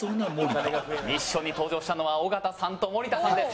ミッションに登場したのは尾形さんと森田さんです。